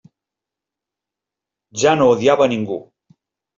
Ja no odiava a ningú.